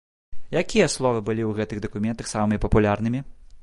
Якія словы былі ў гэтых дакументах самымі папулярнымі?